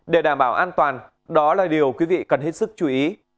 để đảm bảo an toàn đó là điều quý vị cần hết sức chú ý